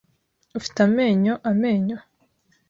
Ufite amenyo amenyo?